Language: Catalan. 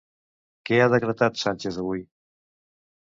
Què ha decretat Sánchez avui?